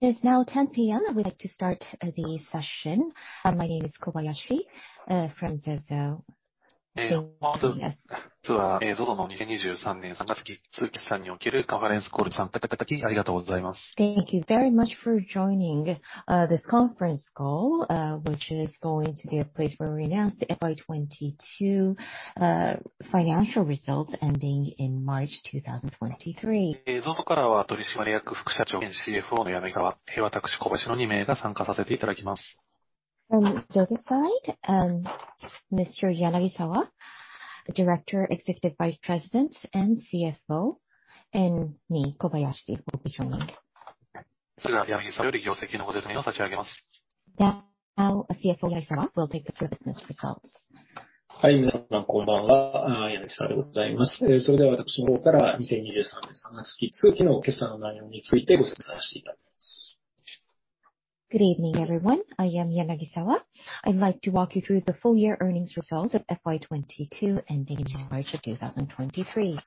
It's now 10:00 P.M. We'd like to start the session. My name is Kobayashi from ZOZO. Thank you very much for joining this conference call, which is going to be a place where we announce the FY 22 financial results ending in March 2023. From ZOZO's side, Mr. Yanagisawa, Director, Executive Vice President and CFO, and me, Kobayashi, will be joining. Our CFO, Yanagisawa, will take us through the business results. Good evening, everyone. I am Yanagisawa. I'd like to walk you through the full year earnings results of FY 22 ending in March of 2023.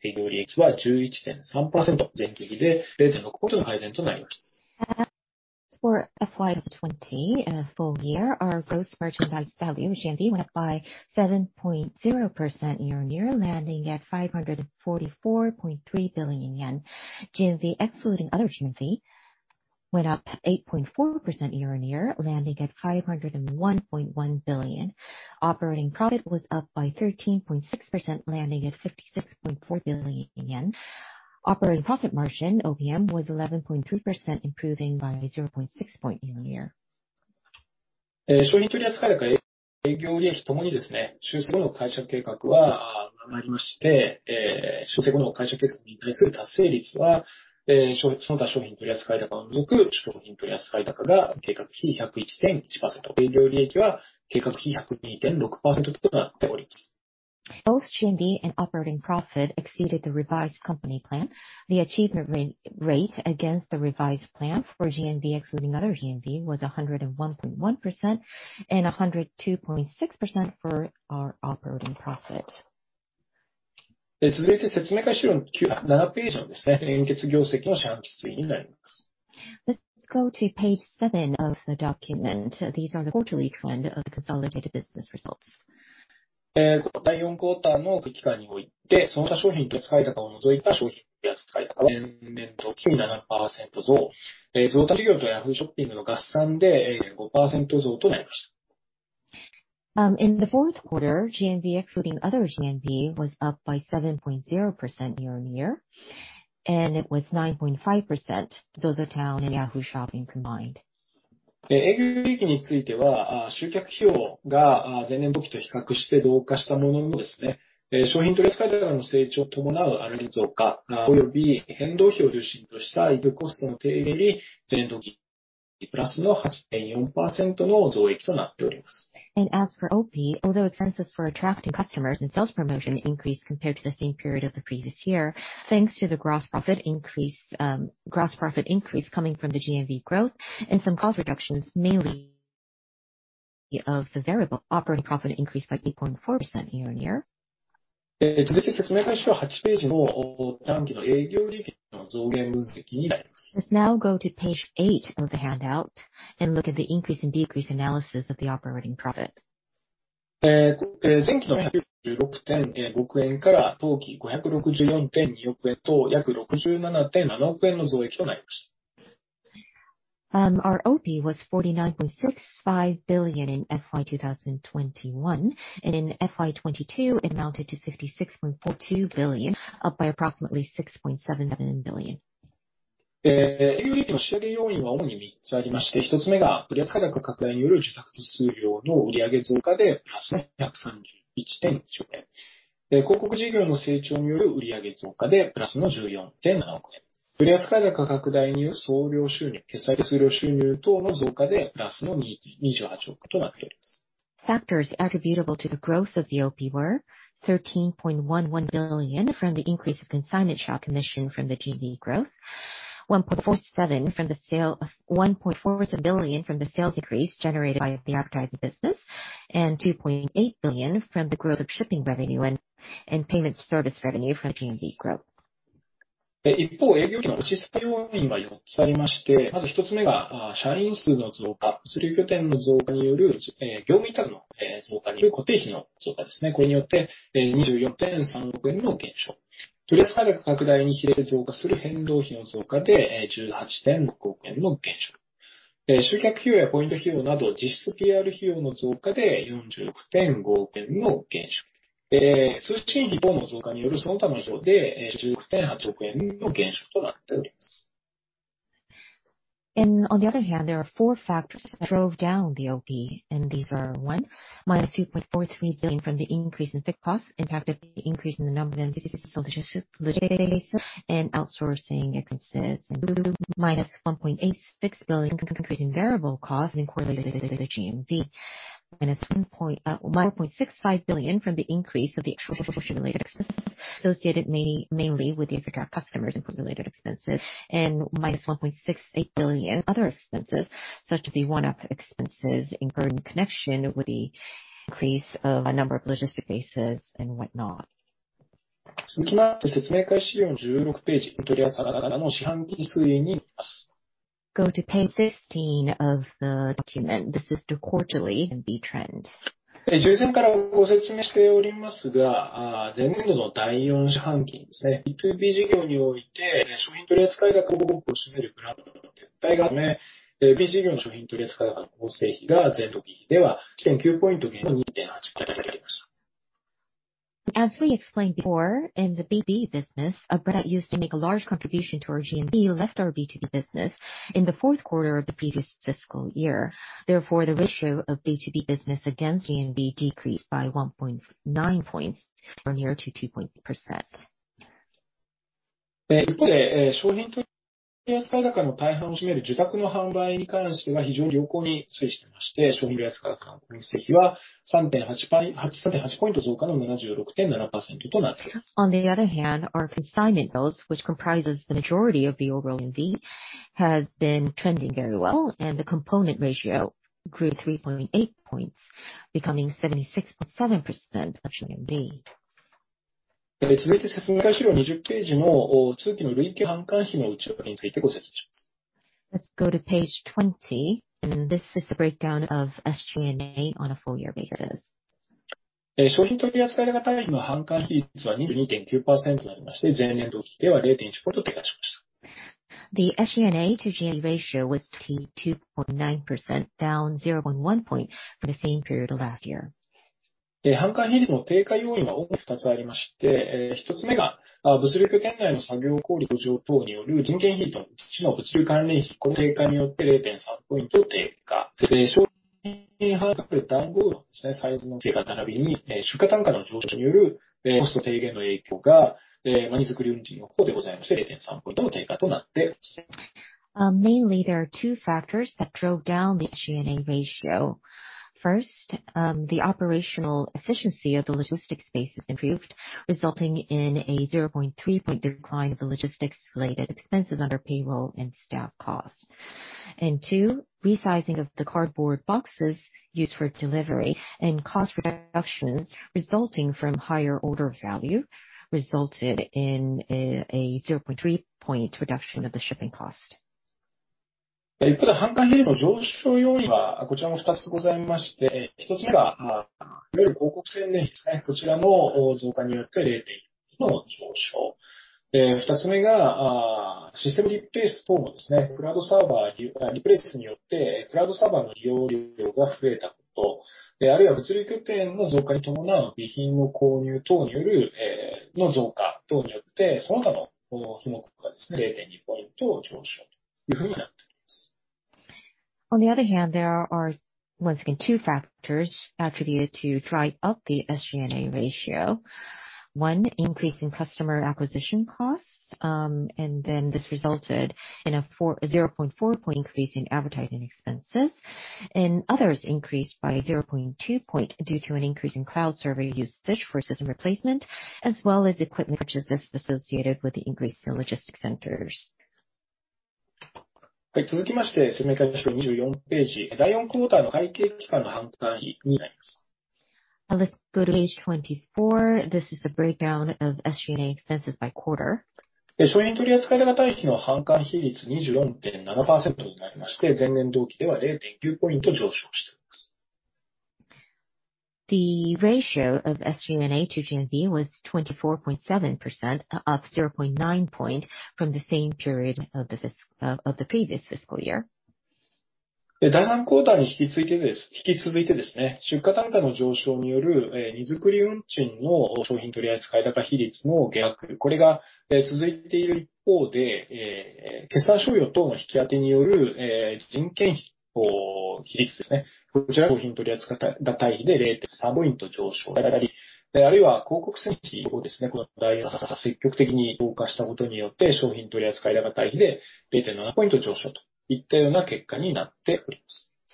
FY twenty full year, our gross merchandise value, GMV, went up by 7.0% year-on-year, landing at 544.3 billion yen. GMV, excluding other GMV, went up 8.4% year-on-year, landing at 501.1 billion. Operating profit was up by 13.6%, landing at 56.4 billion yen. Operating profit margin, OPM, was 11.2%, improving by 0.6 point year-on-year. Both GMV and operating profit exceeded the revised company plan. The achievement rate against the revised plan for GMV, excluding other GMV, was 101.1% and 102.6% for our operating profit. Let's go to page 7 of the document. These are the quarterly trend of consolidated business results. In the fourth quarter, GMV, excluding other GMV, was up by 7.0% year-on-year, and it was 9.5% ZOZOTOWN and Yahoo! Shopping combined. As for OP, although expenses for attracting customers and sales promotion increased compared to the same period of the previous year, thanks to the gross profit increase, gross profit increase coming from the GMV growth and some cost reductions, mainly of the variable operating profit increased by 8.4% year-on-year. Let's now go to page 8 of the handout and look at the increase and decrease analysis of the operating profit. Our OP was JPY 49.65 billion in FY 2021. In FY 2022, it amounted to JPY 56.42 billion, up by approximately JPY 6.7 billion. Factors attributable to the growth of the OP were 13.11 billion from the increase of consignment shop commission from the GMV growth. 1.4 billion from the sales increase generated by the advertising business, and 2.8 billion from the growth of shipping revenue and payment service revenue from GMV growth. On the other hand, there are 4 factors that drove down the OP, and these are 1, minus JPY 2.43 billion from the increase in fixed costs impacted by the increase in the number of and outsourcing expenses. Minus JPY 1.86 billion increasing variable costs in correlated GMV. Minus 1.65 billion from the increase of the actual related expenses associated mainly with the acquring customers and related expenses and minus 1.68 billion other expenses such as the one off expenses incurred in connection with the increase of a number of logistic bases and whatnot. Go to page 16 of the document. This is the quarterly trend. As we explained before, in the B2B business, a brand that used to make a large contribution to our GMV left our B2B business in the fourth quarter of the previous fiscal year. Therefore, the ratio of B2B business against GMV decreased by 1.9 points from here to 2.0%. On the other hand, our consignment sales, which comprises the majority of the overall GMV, has been trending very well and the component ratio grew 3.8 points, becoming 76.7% of GMV. Let's go to page 20. This is the breakdown of SG&A on a full year basis. The SG&A to GM ratio was 22.9%, down 0.1 point for the same period of last year. Mainly there are two factors that drove down the SG&A ratio. First, the operational efficiency of the logistics base has improved, resulting in a 0.3 point decline of the logistics related expenses under payroll and staff costs. Two, resizing of the cardboard boxes used for delivery and cost reductions resulting from higher order value resulted in a 0.3 point reduction of the shipping cost. On the other hand, there are once again two factors attributed to drive up the SG&A ratio. One, increase in customer acquisition costs. This resulted in a 0.4 point increase in advertising expenses and others increased by 0.2 point due to an increase in cloud server usage for system replacement as well as equipment purchase associated with the increase in logistic centers. Let's go to page 24. This is the breakdown of SG&A expenses by quarter. The ratio of SG&A to GMV was 24.7%, up 0.9 point from the same period of the previous fiscal year.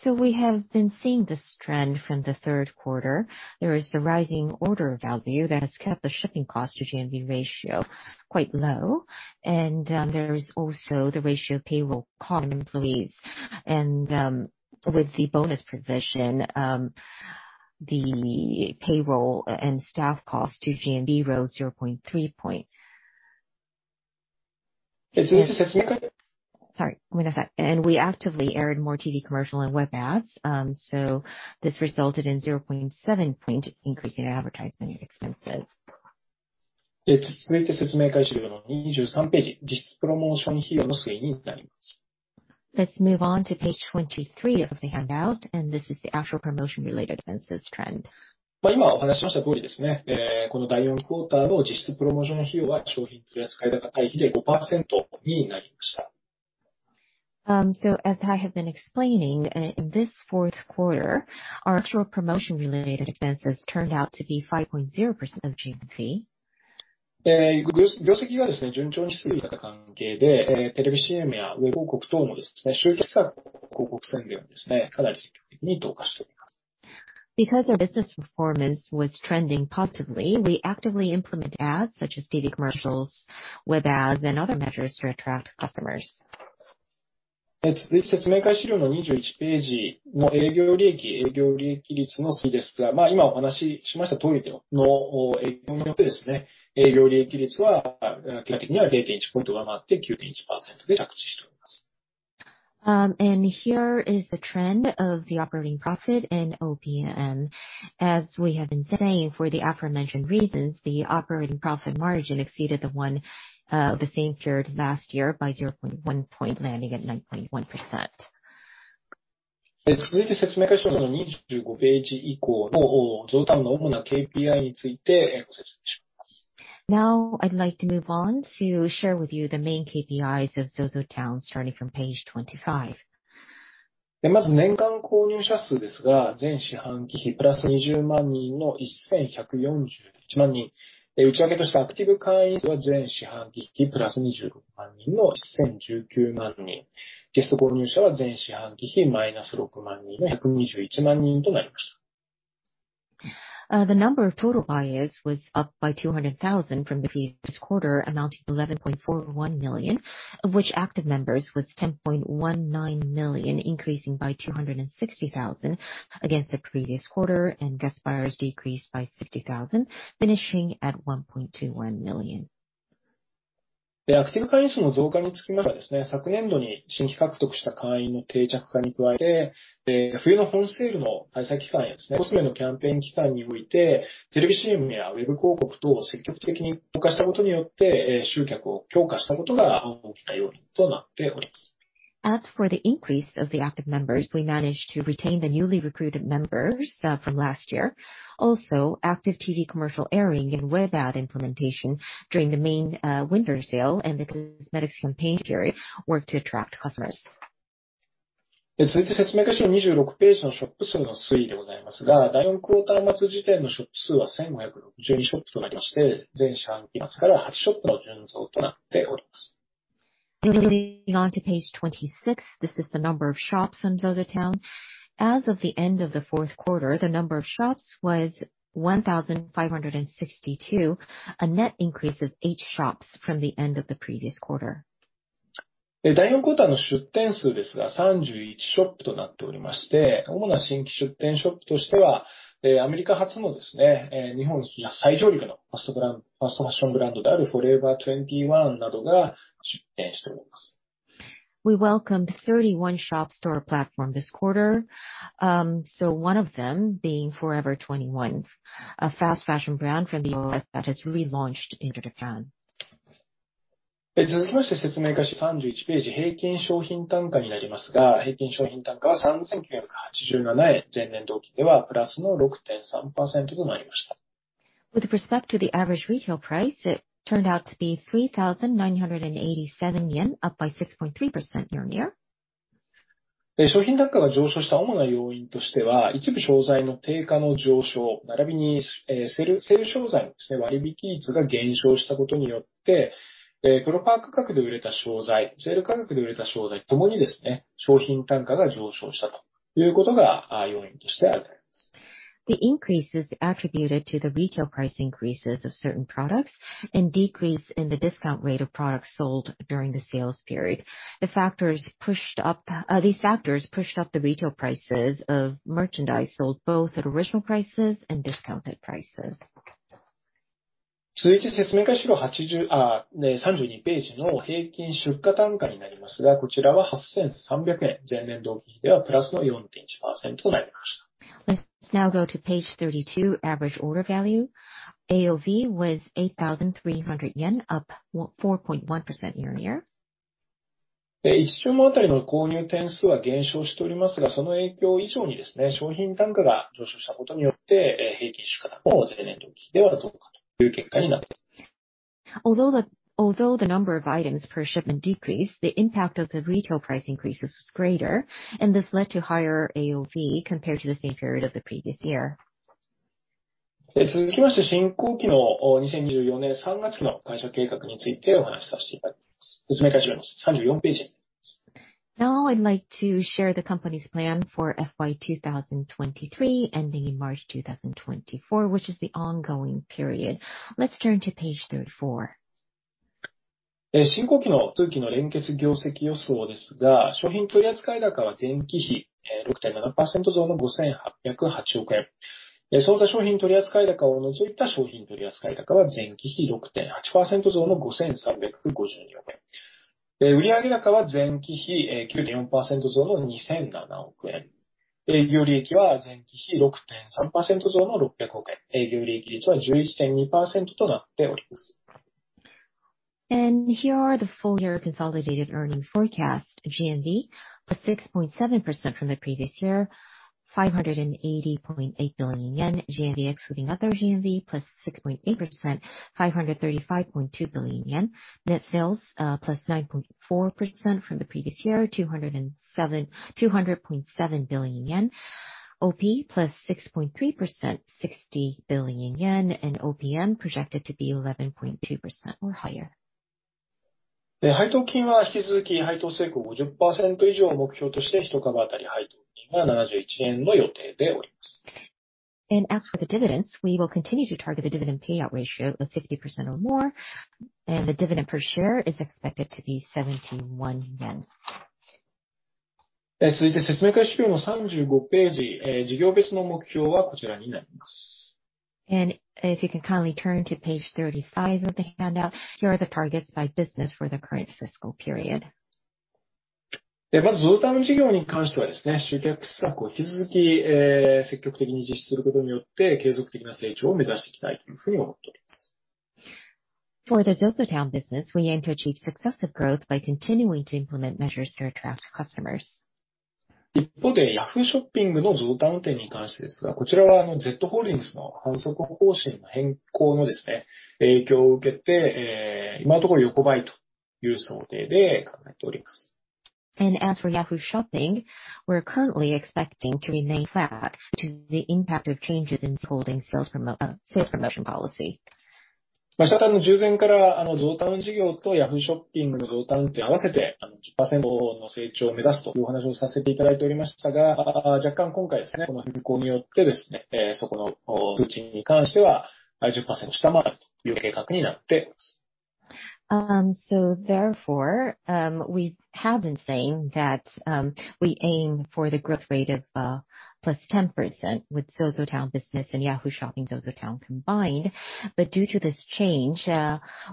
We have been seeing this trend from the third quarter. There is the rising order value that has kept the shipping cost to GMV ratio quite low. There is also the ratio of payroll common employees and with the bonus provision, the payroll and staff cost to GMV rose 0.3 point. Sorry, one second. We actively aired more TV commercial and web ads. This resulted in 0.7 point increase in advertising expenses. Let's move on to page 23 of the handout, and this is the actual promotion related expenses trend. As I have been explaining, in this fourth quarter, our actual promotion related expenses turned out to be 5.0% of GMV. 業績が順調に推移した関係で、テレビ CM やウェブ広告等も集客先の広告宣伝をかなり積極的に投下しておりま す. Because our business performance was trending positively, we actively implement ads such as TV commercials, web ads, and other measures to attract customers. えー、続いて説明会資料の二十一ページの営業利益、営業利益率の推移ですが、まあ今お話ししましたとおりの影響によってですね、営業利益率は基本的に零点一ポイント上がって九点一パーセントで着地しております。Here is the trend of the operating profit and OPM. As we have been saying, for the aforementioned reasons, the operating profit margin exceeded the one of the same period last year by 0.1 point, landing at 9.1%. えー、続いて説明資料の二十五ページ以降の、おー、ZOZOTOWN の主な KPI について、えー、ご説明します。I'd like to move on to share with you the main KPIs of ZOZOTOWN starting from page 25. え、まず年間購入者数ですが、前四半期比プラス二十万人の千百四十一万人。え、内訳としてアクティブ会員数は前四半期比プラス二十六万人の千十九万人。ゲスト購入者は前四半期比マイナス六万人の百二十一万人となりました。The number of total buyers was up by 200,000 from the previous quarter, amounting to 11.41 million, of which active members was 10.19 million, increasing by 260,000 against the previous quarter, guest buyers decreased by 60,000, finishing at 1.21 million. アクティブ会員数の増加につきましてはですね、昨年度に新規獲得した会員の定着化に加え、冬の本セールの開催期間やですね、コスメのキャンペーン期間において、テレビ CM やウェブ広告等を積極的に投下したことによって、集客を強化したことが大きな要因となっております。As for the increase of the active members, we managed to retain the newly recruited members from last year. Active TV commercial airing and web ad implementation during the main winter sale and the cosmetics campaign period worked to attract customers. え、続いて説明資料二十六ページのショップ数の推移でございますが、第四四半期末時点のショップ数は千五百六十二ショップとなりまして、前四半期末から八ショップの純増となっております。Moving on to page 26. This is the number of shops on ZOZOTOWN. As of the end of the fourth quarter, the number of shops was 1,562, a net increase of eight shops from the end of the previous quarter. え、第四四半期の出店数ですが、三十一ショップとなっておりまして、主な新規出店ショップとしては、えー、アメリカ発のですね、えー、日本市場最上位のファストブランド、ファストファッションブランドである Forever 21などが出店しております。We welcomed 31 shops to our platform this quarter. One of them being Forever 21, a fast fashion brand from the US that has relaunched into Japan. え、続きまして、説明資料三十一ページ、平均商品単価になりますが、平均商品単価は三千九百八十七円、前年同期ではプラスの六点三パーセントとなりました。With respect to the average retail price, it turned out to be 3,987 yen, up by 6.3% year-on-year. え、商品単価が上昇した主な要因としては、一部商材の定価の上昇ならびに、えー、セル、セール商材のですね、割引率が減少したことによって、えー、プロパーク価格で売れた商材、セール価格で売れた商材ともにですね、商品単価が上昇したということが、あー、要因として挙げられます。The increase is attributed to the retail price increases of certain products and decrease in the discount rate of products sold during the sales period. These factors pushed up the retail prices of merchandise sold both at original prices and discounted prices. 続いて説明資料八十、あ、ねー、三十二ページの平均出荷単価になりますが、こちらは八千三百円、前年同期ではプラスの四点一パーセントとなりました。Let's now go to page 32. Average order value. AOV was 8,300 yen, up 4.1% year-on-year. え、一注文あたりの購入点数は減少しておりますが、その影響以上にですね、商品単価が上昇したことによって、えー、平均出荷高も前年同期比では増加という結果になっています。Although the number of items per shipment decreased, the impact of the retail price increases was greater, and this led to higher AOV compared to the same period of the previous year. え、続きまして、進行期の、おー、二千二十四年三月期の会社計画についてお話しさせていただきます。説明資料の三十四ページ。Now, I'd like to share the company's plan for FY 2023, ending in March 2024, which is the ongoing period. Let's turn to page 34. え、進行期の通期の連結業績予想ですが、商品取り扱い高は前期比、えー、六点七パーセント増の五千八百八億円。え、その他商品取り扱い高を除いた商品取り扱い高は、前期比六点八パーセント増の五千三百五十四億円。え、売上高は前期比、えー、九点四パーセント増の二千七億円。営業利益は前期比六点三パーセント増の六百億円。営業利益率は十一点二パーセントとなっております。Here are the full year consolidated earnings forecast. GMV up 6.7% from the previous year, 580.8 billion yen. GMV excluding other GMV, +6.8%, 535.2 billion yen. Net sales, +9.4% from the previous year, 200.7 billion yen. OP +6.3%, 60 billion yen, and OPM projected to be 11.2% or higher. 配当金は引き続き配当性向 50% 以上を目標とし て, 一株当たり配当金は JPY 71の予定でおりま す. As for the dividends, we will continue to target the dividend payout ratio of 50% or more and the dividend per share is expected to be 71 yen. 説明会資料の35 ページ。事業別の目標はこちらになります。If you can kindly turn to page 35 of the handout. Here are the targets by business for the current fiscal period. まずゾゾタウン事業に関してはですね、集客施策を引き続き積極的に実施することによって、継続的な成長を目指していきたいというふうに思っております。For the ZOZOTOWN business, we aim to achieve successive growth by continuing to implement measures to attract customers. 一方で、ヤフーショッピングの増淡店に関してですが、こちらはゼットホールディングスの販促方針の変更のですね、影響を受けて、今のところ横ばいという想定で考えております。As for Yahoo! Shopping, we're currently expecting to remain flat due to the impact of changes in Z Holdings sales promotion policy. 昨年度の十前からゾゾタウン事業とヤフーショッピングの増淡店合わせて十パーセントの成長を目指すという話をさせていただいておりましたが、若干今回ですね、この変更によってですね、そこの数値に関しては十パーセントを下回るという計画になっております。Therefore, we have been saying that we aim for the growth rate of +10% with ZOZOTOWN business and Yahoo! Shopping ZOZOTOWN combined. Due to this change,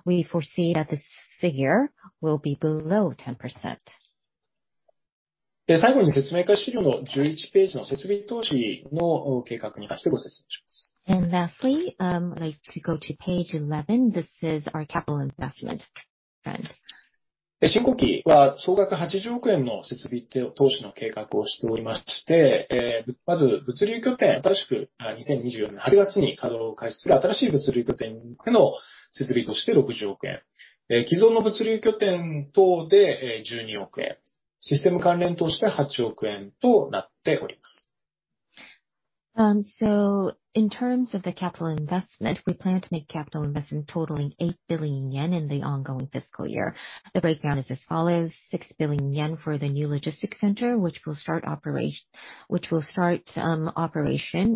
we foresee that this figure will be below 10%. 最後に説明会資料の11ページの設備投資の計画に関してご説明します。lastly, like to go to page 11. This is our capital investment plan. 進行期は総額 JPY 8 billion の設備投資の計画をしておりまして、まず物流拠点、新しく2024年の8月に稼働を開始する新しい物流拠点での設備投資で JPY 6 billion、既存の物流拠点等で JPY 1.2 billion、システム関連投資で JPY 800 million となっております。In terms of the capital investment, we plan to make capital investment totaling 8 billion yen in the ongoing fiscal year. The breakdown is as follows: 6 billion yen for the new logistics center, which will start operation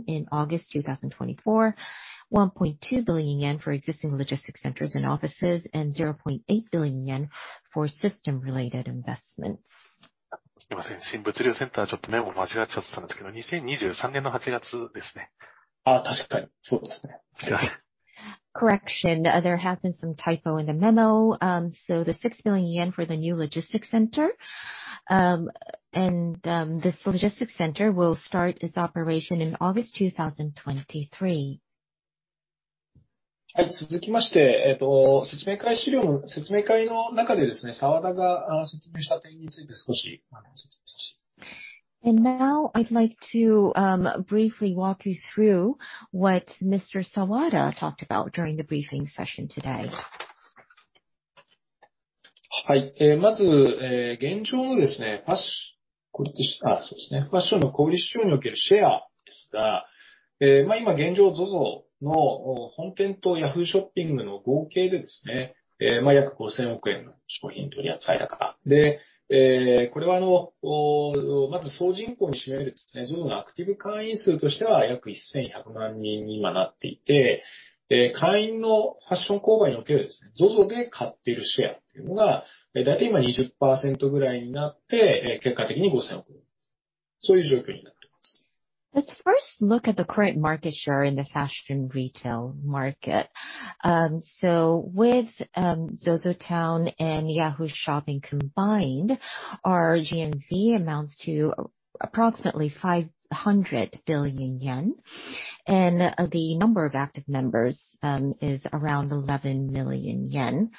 in August 2024, 1.2 billion yen for existing logistics centers and offices, and 0.8 billion yen for system-related investments. すみません。新物流センター、ちょっとメモ間違っちゃってたんですけど、二千二十三年の八月ですね。確かにそうですね。すいません。Correction. There has been some typo in the memo. The 6 billion yen for the new logistics center. This logistics center will start its operation in August 2023. 続きまして、説明会資料の説明会の中ですね、Sawada が説明した点について少し。Now I'd like to briefly walk you through what Mr. Sawada talked about during the briefing session today. はい。まず現状のですね、ファッションの小売り市場におけるシェアですが、今現状 ZOZO の本店とヤフーショッピングの合計でですね、約五千億円の商品取り扱い高。で、これはまず総人口に占める ZOZO のアクティブ会員数としては約千百万人になっていて、会員のファッション購買における ZOZO で買っているシェアっていうのが、大体今二十パーセントぐらいになって、結果的に五千億、そういう状況になってます。Let's first look at the current market share in the fashion retail market. With ZOZOTOWN and Yahoo! Shopping combined, our GMV amounts to approximately 500 billion yen, and the number of active members is around 11 million yen.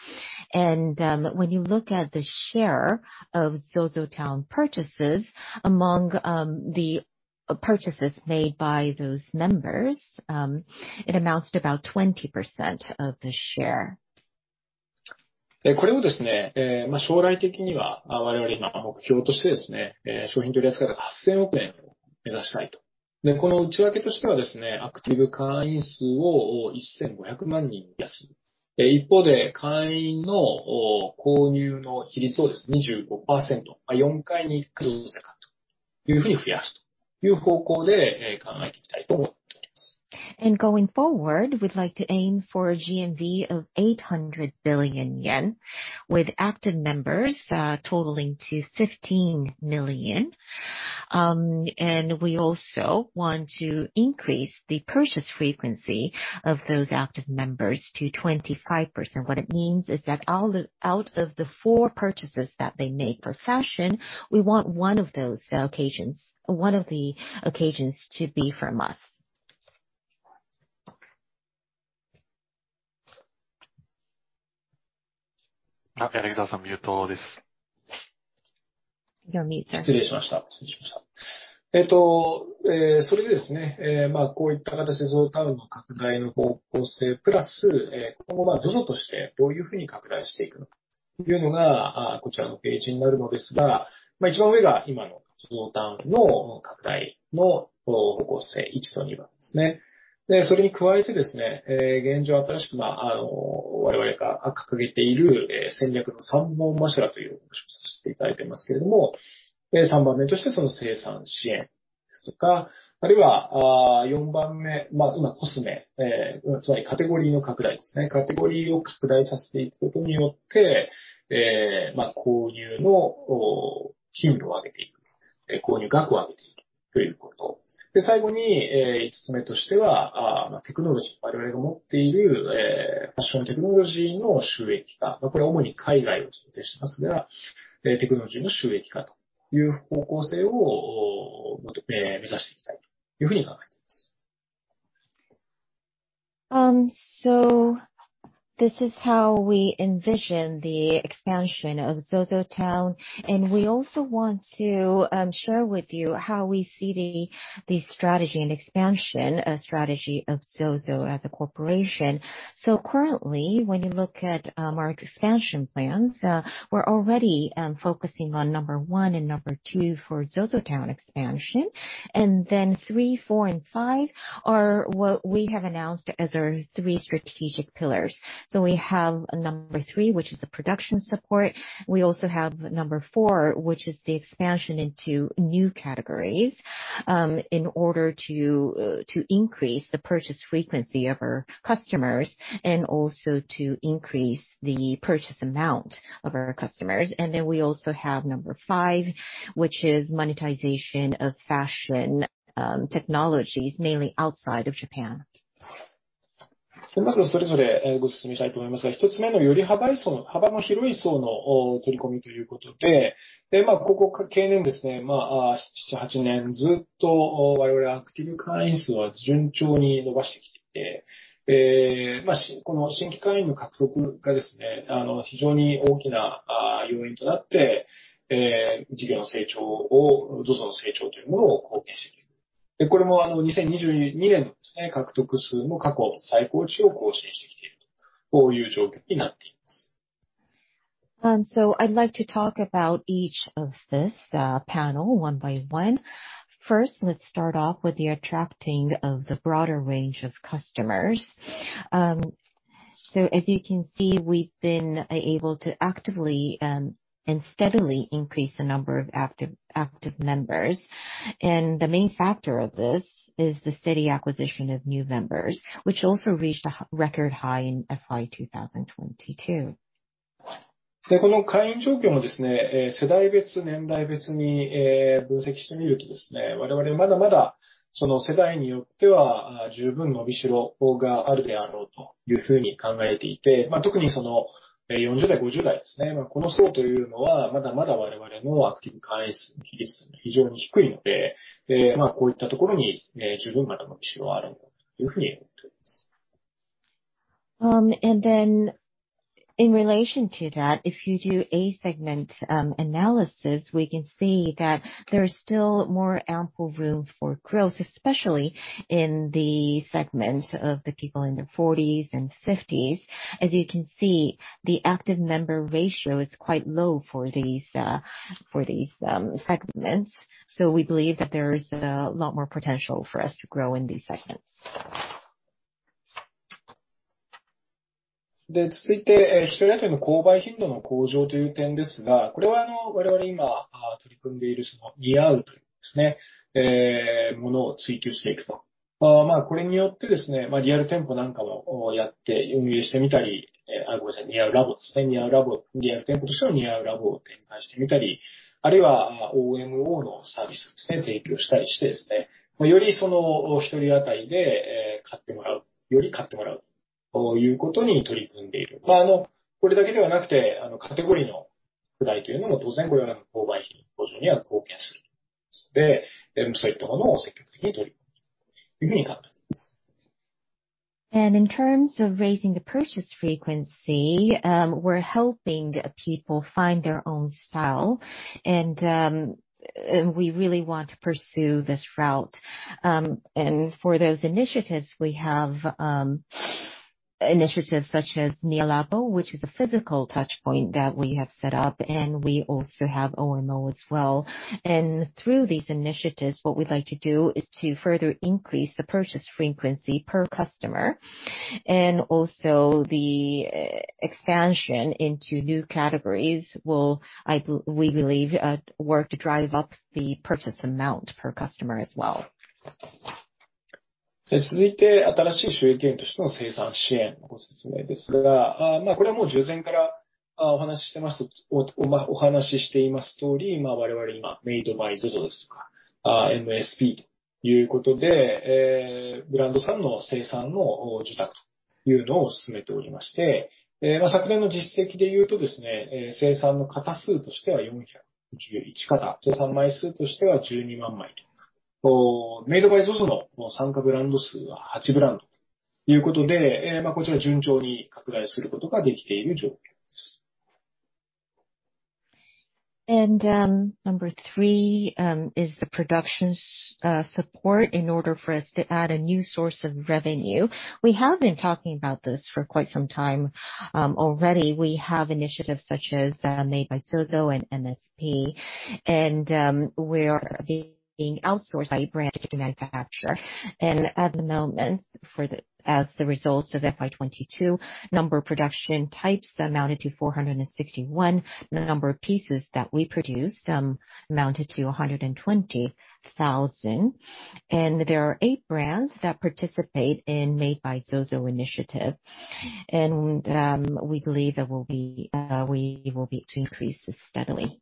When you look at the share of ZOZOTOWN purchases among the purchases made by those members, it amounts to about 20% of the share. これをですね、将来的には我々今目標としてですね、商品取り扱い高八千億円を目指したいと。この内訳としてはですね、アクティブ会員数を千五百万人増やす。一方で、会員の購入の比率を二十五パーセント、四回に一回とかというふうに増やすという方向で考えていきたいと思っております。Going forward, we'd like to aim for a GMV of 800 billion yen with active members totaling to 15 million. We also want to increase the purchase frequency of those active members to 25%. What it means is that out of the 4 purchases that they make for fashion, we want 1 of those occasions, 1 of the occasions to be from us. 柳澤さん、みゆとうです。よみう。失礼しました。失礼しました。えっと、それでですね、こういったゾゾタウンの拡大の方向性プラス、今後ゾゾとしてどういうふうに拡大していくのか。というのがこちらのページになるのですが、一番上が今のゾゾタウンの拡大の方向性、一と二番ですね。それに加えてですね、現状、新しく我々が掲げている戦略の三本柱という形とさせていただいていますけれども、三番目として生産支援ですとか、あるいは四番目、コスメ、つまりカテゴリーの拡大ですね。カテゴリーを拡大させていくことによって、購入の頻度を上げていく、購入額を上げていくということ。最後に五つ目としては、テクノロジー。我々が持っているファッションテクノロジーの収益化。これは主に海外を想定してますが、テクノロジーの収益化という方向性を目指していきたいというふうに考えています。This is how we envision the expansion of ZOZOTOWN. We also want to share with you how we see the strategy and expansion strategy of ZOZO as a corporation. Currently, when you look at our expansion plans, we're already focusing on number one and number two for ZOZOTOWN expansion. Three, four and five are what we have announced as our three strategic pillars. We have number three, which is a production support. We also have number four, which is the expansion into new categories. In order to increase the purchase frequency of our customers and also to increase the purchase amount of our customers. We also have number 5, which is monetization of fashion technologies mainly outside of Japan. まずはそれぞれご説明したいと思いますが、一つ目のより幅層、幅の広い層の取り込みということで、ここ近年ですね、seven, eight 年ずっと我々アクティブ会員数は順調に伸ばしてきていて、この新規会員の獲得がですね、非常に大きな要因となって、事業の成長を、ZOZO の成長というものを貢献してきている。これも2022年のですね、獲得数も過去最高値を更新してきていると、こういう状況になっています。I'd like to talk about each of this panel one by one. First, let's start off with the attracting of the broader range of customers. As you can see, we've been able to actively and steadily increase the number of active members. The main factor of this is the steady acquisition of new members, which also reached a record high in FY2022. この会員状況もですね、世代別、年代別に分析してみるとですね、我々まだまだその世代によっては十分伸びしろがあるであろうというふうに考えていて、特にその四十代、五十代ですね、この層というのはまだまだ我々のアクティブ会員数の比率が非常に低いので、こういったところに十分まだ伸びしろはあるよというふうに思っています。Then in relation to that, if you do a segment analysis, we can see that there is still more ample room for growth, especially in the segment of the people in their forties and fifties. As you can see, the active member ratio is quite low for these segments. We believe that there is a lot more potential for us to grow in these segments. 一人当たりの購買頻度の向上という点ですが、これは我々が今取り組んでいる似合うというですね、ものを追求していくと。これによってですね、リアル店舗なんかもやって運営してみたり、似合うラボですね、似合うラボ、リアル店舗としての似合うラボを展開してみたり、あるいは OMO のサービスをですね、提供したりしてですね、よりその一人当たりで買ってもらう、より買ってもらうということに取り組んでいる。これだけではなくて、カテゴリーの拡大というのも当然これは購買頻度向上には貢献すると思いますので、そういったものを積極的に取り組んでいくというふうに考えています。In terms of raising the purchase frequency, we're helping people find their own style. We really want to pursue this route. For those initiatives, we have initiatives such as niaulab by ZOZO, which is a physical touch point that we have set up, and we also have OMO as well. Through these initiatives, what we'd like to do is to further increase the purchase frequency per customer. Also the expansion into new categories will, we believe, work to drive up the purchase amount per customer as well. 続いて、新しい収益源としての生産支援のご説明ですが、これはもう従前からお話ししてます、お話ししています通り、我々今 Made by ZOZO ですとか MSP ということで、ブランドさんの生産の受託というのを進めておりまして、昨年の実績で言うとですね、生産の型数としては四百十一型、生産枚数としては十二万枚と。Made by ZOZO の参加ブランド数は八ブランドということで、こちら順調に拡大することができている状況です。Number 3 is the production support in order for us to add a new source of revenue. We have been talking about this for quite some time. Already we have initiatives such as Made by ZOZO and MSP, and we are being outsourced by brand manufacturer. At the moment as the results of FY 2022 number of production types amounted to 461. The number of pieces that we produced amounted to 120,000. There are 8 brands that participate in Made by ZOZO initiative. We believe there will be we will be to increase this steadily.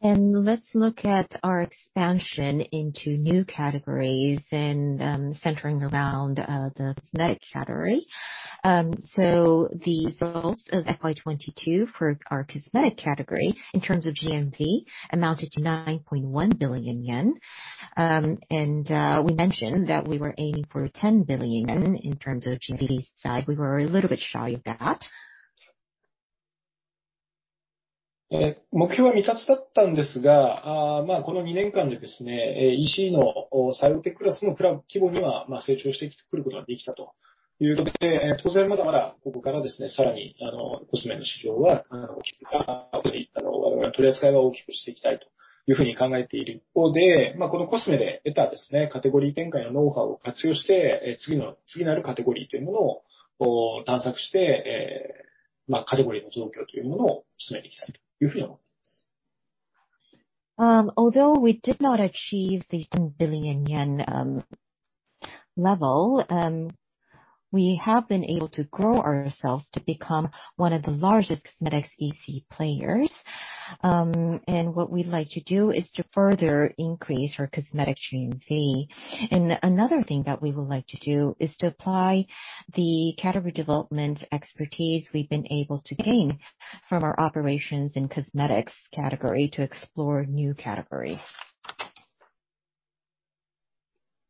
Let's look at our expansion into new categories and centering around the cosmetic category. The results of FY 2022 for our cosmetics category in terms of GMV amounted to 9.1 billion yen. We mentioned that we were aiming for 10 billion yen in terms of GMV side. We were a little bit shy of that. Although we did not achieve the 10 billion yen level, we have been able to grow ourselves to become one of the largest cosmetics EC players. What we'd like to do is to further increase our cosmetics GMV. Another thing that we would like to do is to apply the category development expertise we've been able to gain from our operations in cosmetics category to explore new categories.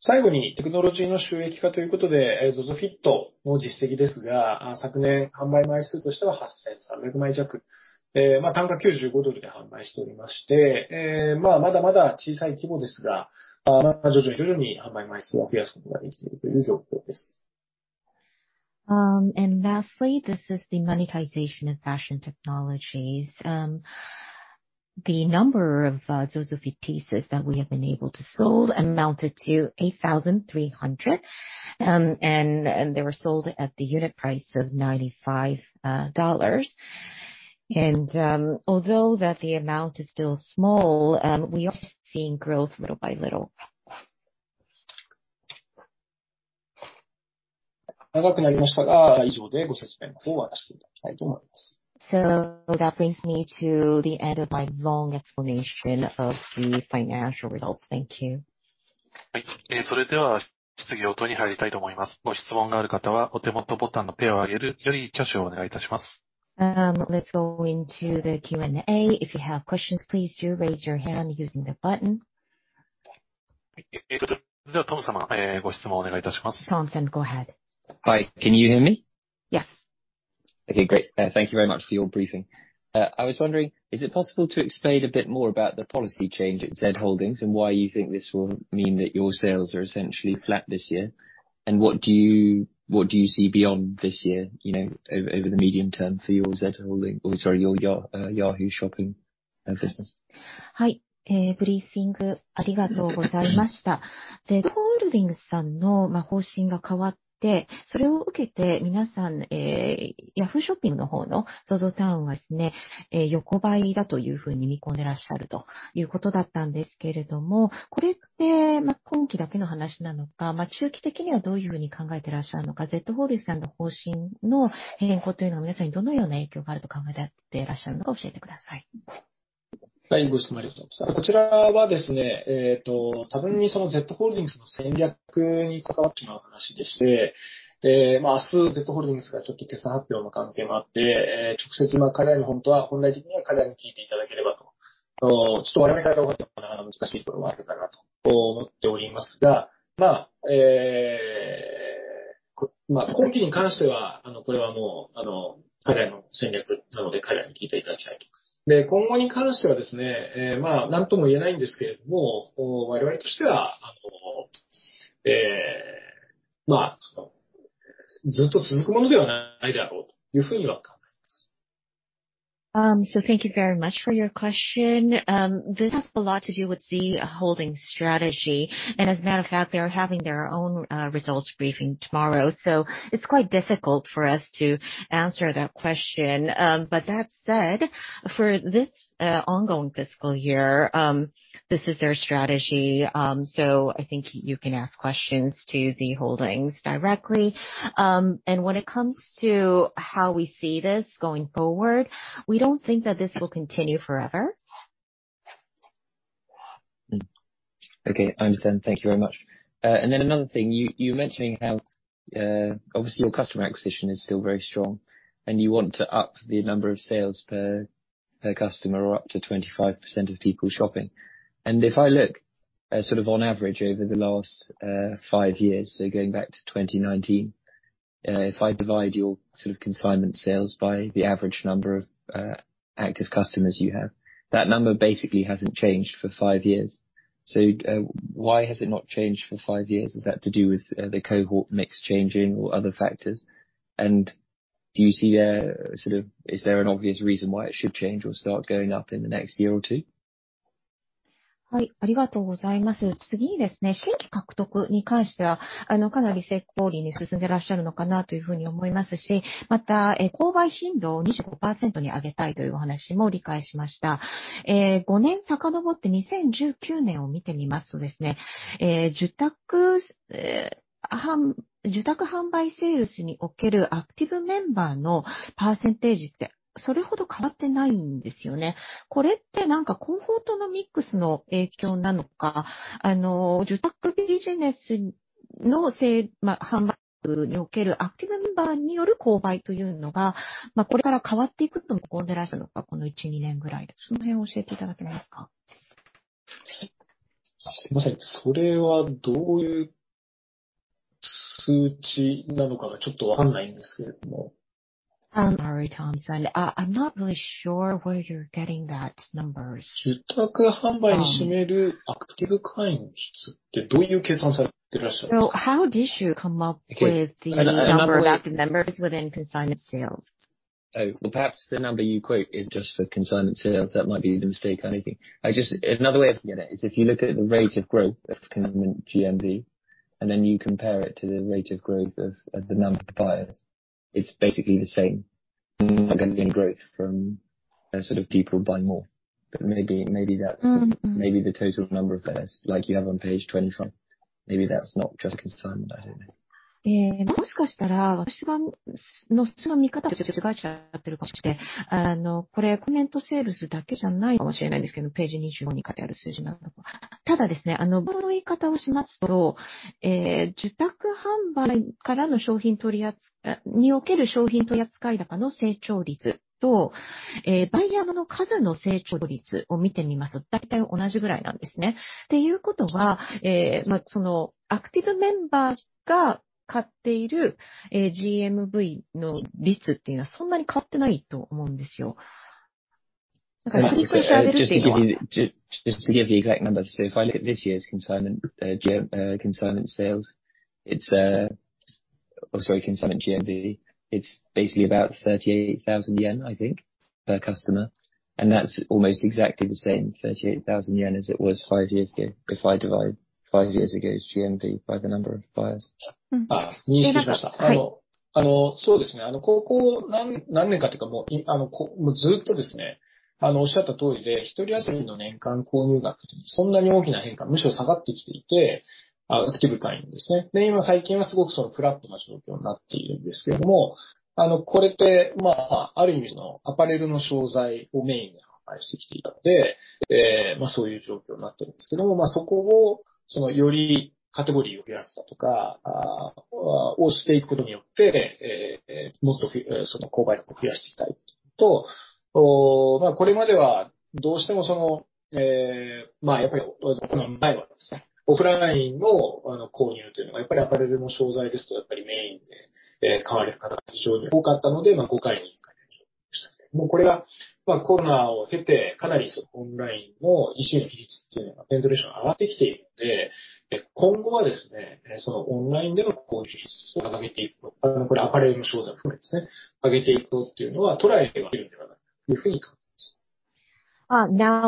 Lastly, this is the monetization of fashion technologies. The number of ZOZOSUIT pieces that we have been able to sold amounted to 8,300. They were sold at the unit price of $95. Although that the amount is still small, we are seeing growth little by little. That brings me to the end of my long explanation of the financial results. Thank you. Let's go into the Q&A. If you have questions, please do raise your hand using the button. Thom. Go ahead. Hi. Can you hear me? Yes. Okay, great. Thank you very much for your briefing. I was wondering, is it possible to explain a bit more about the policy change at Z Holdings and why you think this will mean that your sales are essentially flat this year? What do you see beyond this year, you know, over the medium term for your Z Holdings or, sorry, your Yahoo! Shopping business? Thank you very much for your question. This has a lot to do with Z Holdings strategy. As a matter of fact, they are having their own results briefing tomorrow. It's quite difficult for us to answer that question. That said, for this ongoing fiscal year, this is their strategy. I think you can ask questions to Z Holdings directly. When it comes to how we see this going forward, we don't think that this will continue forever. Okay, I understand. Thank you very much. Another thing, you mentioning how, obviously your customer acquisition is still very strong and you want to up the number of sales per customer or up to 25% of people shopping. If I look at sort of on average over the last five years, so going back to 2019, if I divide your sort of consignment sales by the average number of active customers you have, that number basically hasn't changed for 5 years. Why has it not changed for five years? Is that to do with the cohort mix changing or other factors? Do you see there is there an obvious reason why it should change or start going up in the next year or two? Sorry, Tom, Listen, I'm not really sure where you're getting that numbers. How did you come up with the number of active members within consignment sales? Well, perhaps the number you quote is just for consignment sales. That might be the mistake. I think. Another way of looking at it is if you look at the rate of growth of consignment GMV, then you compare it to the rate of growth of the number of buyers, it's basically the same again, growth from a sort of people buying more. Maybe, maybe that's maybe the total number of buyers like you have on page 25. Maybe that's not just consignment. I don't know. Just to give the exact numbers. If I look at this year's consignment sales, it's, or sorry, consignment GMV, it's basically about JPY 38,000, I think, per customer. That's almost exactly the same 38,000 as it was five years ago. If I divide 5 years ago's GMV by the number of buyers. Now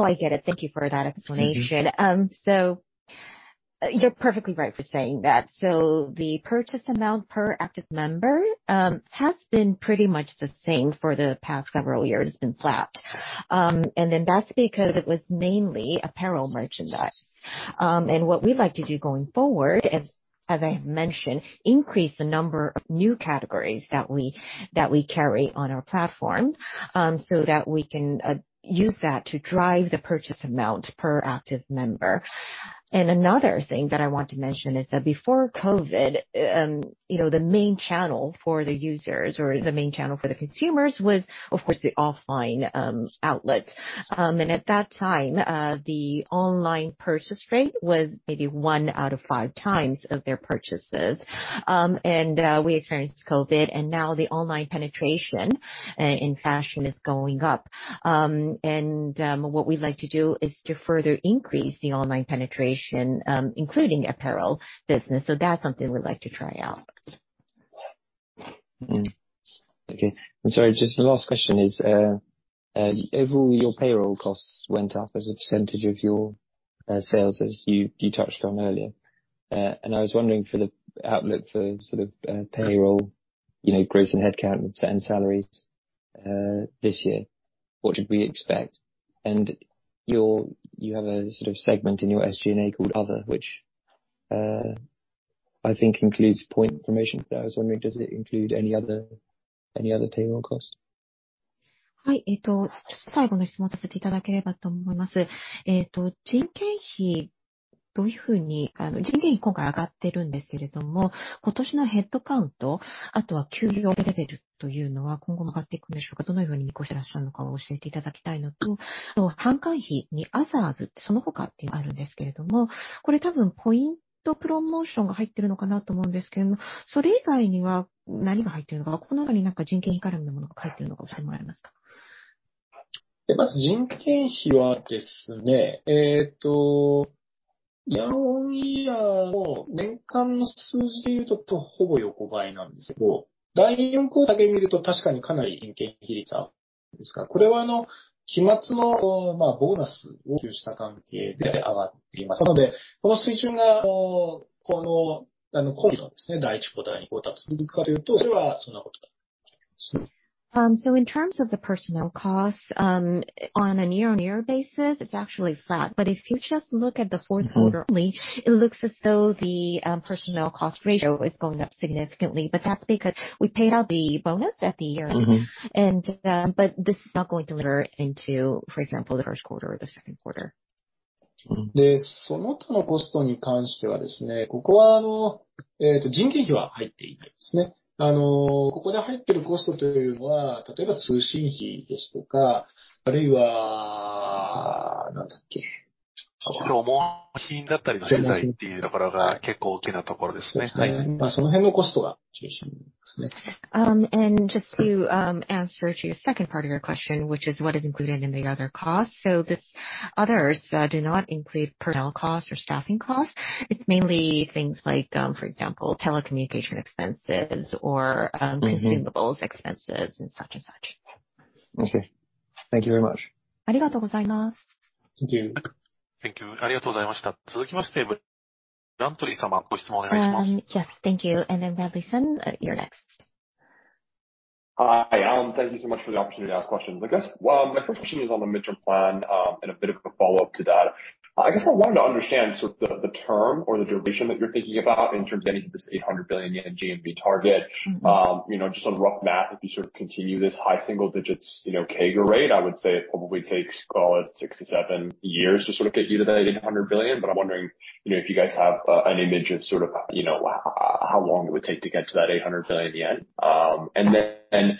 I get it. Thank you for that explanation. You're perfectly right for saying that. The purchase amount per active member has been pretty much the same for the past several years. It's been flat. That's because it was mainly apparel merchandise. What we'd like to do going forward is, as I mentioned, increase the number of new categories that we carry on our platform so that we can use that to drive the purchase amount per active member. Another thing that I want to mention is that before COVID, you know, the main channel for the users or the main channel for the consumers was, of course, the offline outlets. At that time, the online purchase rate was maybe 1 out of 5 times of their purchases. We experienced COVID, and now the online penetration in fashion is going up. What we'd like to do is to further increase the online penetration, including apparel business. That's something we'd like to try out. Okay. I'm sorry. Just the last question is, overall, your payroll costs went up as a percentage of your sales as you touched on earlier. I was wondering for the outlook for sort of payroll, you know, growth in headcount and salaries, this year, what should we expect? You have a sort of segment in your SG&A called other, which I think includes point information, but I was wondering does it include any other payroll costs? はい。えっと、最後の質問をさせていただければと思います。えーと、人件費どういうふうに、人件費今回上がってるんですけれども、今年のヘッドカウント、あとは給与レベルというのは今後も上がっていくんでしょうか。どのように見越してらっしゃるのかを教えていただきたいのと、販管費にアザーズその他ってあるんですけれども、これ多分ポイントプロモーションが入ってるのかなと思うんですけども、それ以外には何が入っているのか、この中に何か人件費絡みのものが入っているのか教えてもらえますか。まず人件費はです ね, オンイヤーの年間の数字でいうとほぼ横ばいなんですけ ど, 第4四半期だけ見ると確かにかなり人件費率です が, これは期末のボーナスを給付した関係で上がっていますの で, この水準がこの今期のです ね, 第1四半 期, 第2四半期が続くかという と, それはそんなことないで す. ありがとうございます。Thank you. Thank you. ありがとうございまし た. 続きまし て, Bradley 様, ご質問お願いしま す. Yes. Thank you. Bradley-san, you're next. Hi. Thank you so much for the opportunity to ask questions. I guess my first question is on the midterm plan. A bit of a follow up to that, I guess I wanted to understand sort of the term or the duration that you're thinking about in terms of this 800 billion yen GMV target. You know, just on rough math, if you sort of continue this high single-digits, you know, CAGR rate, I would say it probably takes, call it, 6-7 years to sort of get you to that 800 billion. I'm wondering if you guys have an image of sort of, you know, how long it would take to get to that 800 billion yen. Then I